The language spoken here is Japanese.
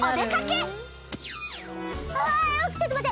ああちょっと待って！